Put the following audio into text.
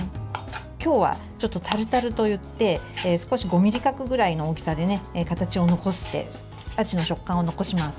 今日はタルタルといって少し、５ｍｍ角くらいの大きさで形を残してあじの食感を残します。